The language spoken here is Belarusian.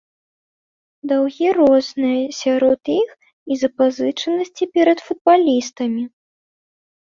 Даўгі розныя, сярод іх і запазычанасці перад футбалістамі.